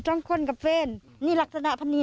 คุณผู้สายรุ่งมโสผีอายุ๔๒ปี